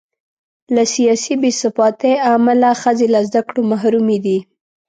له سیاسي بې ثباتۍ امله ښځې له زده کړو محرومې دي.